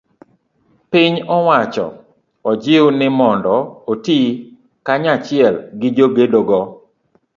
piny owacho ojiw ni mondo oti kanachiel gi jogedo go.